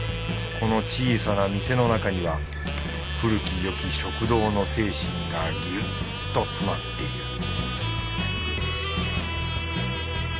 この小さな店の中には古きよき食堂の精神がぎゅっと詰まっている